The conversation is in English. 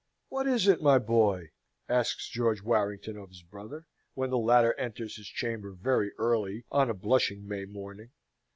"What is it, my boy?" asks George Warrington of his brother, when the latter enters his chamber very early on a blushing May morning.